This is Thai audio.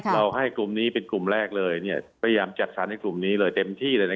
ให้กลุ่มนี้เป็นกลุ่มแรกเลยพยายามจัดสรรให้กลุ่มนี้เลยเต็มที่เลย